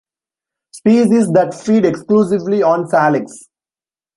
Species that feed exclusively on "Salix".